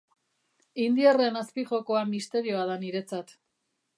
Indiarren azpijokoa misterioa da niretzat.